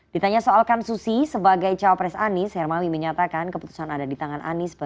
ditanya soalkan susi sebagai cawapres anies hermawi menyatakan keputusan ada di tangan anies baswedan